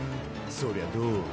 そりゃどうも。